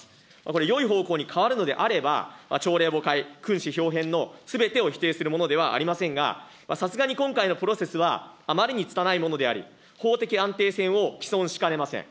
これ、よい方向に変わるのであれば、朝令暮改、君子豹変のすべてを否定するものではありませんが、さすがに今回のプロセスはあまりにつたないものであり、法的安定性を毀損しかねません。